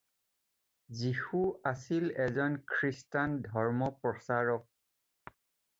যীশু আছিল এজন খ্ৰীষ্টান ধৰ্ম প্ৰচাৰক।